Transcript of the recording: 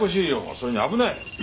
それに危ない。